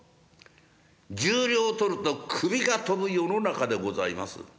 十両とると首が飛ぶ世の中でございます。